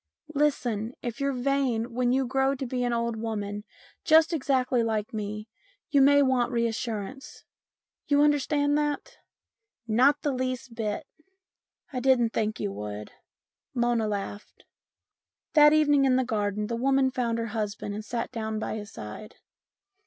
" Listen. If you're vain, when you grow to be an old woman, just exactly like me, you may want reassurance. You understand that ?"" Not the least bit." " I didn't think you would." Mona laughed. That evening in the garden the woman found her husband and sat down by his side.